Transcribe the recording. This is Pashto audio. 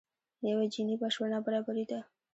یو جیني بشپړ نابرابري ده.